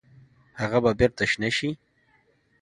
هغه به بیرته شنه شي؟